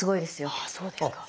あっそうですか？